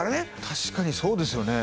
確かにそうですよね